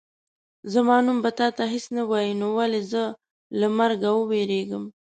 زما نوم به تا ته هېڅ نه وایي نو ولې زه له مرګه ووېرېږم.